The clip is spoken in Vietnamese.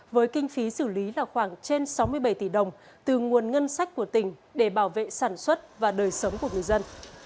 với kinh phí xử lý là khoảng trên sáu mươi bảy tỷ đồng từ nguồn ngân sách của tỉnh để bảo vệ sản xuất và đời sống của người dân